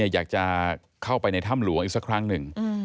อยากเข้าไปในถ้ำหลวงอีกซะครั้งนึง